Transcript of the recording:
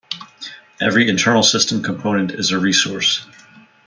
Every internal system component is a resource.